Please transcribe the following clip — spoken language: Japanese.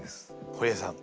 堀江さん。